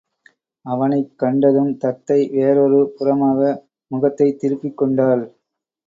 அவனைக் கண்டதும் தத்தை வேறொரு புறமாக முகத்தைத் திருப்பிக் கொண்டாள்.